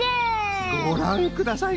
ごらんください